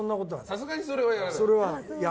さすがにそれはやらない。